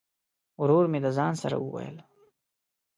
ورور مي د ځان سره وویل !